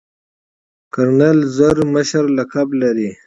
کرنیل زر مشر لقب لري.